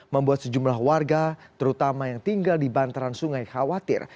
membuat sejumlah warga terutama yang tinggal di bantaran sungai khawatir